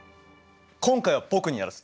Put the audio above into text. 今回は僕にやらせて。